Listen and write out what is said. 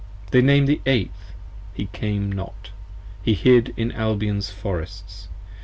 They nam'd the Eighth, he came not, he hid in Albion's Forests.